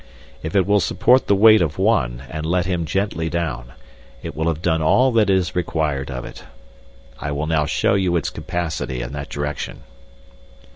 If it will support the weight of one and let him gently down, it will have done all that is required of it. I will now show you its capacity in that direction."